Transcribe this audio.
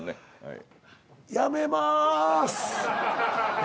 やめます。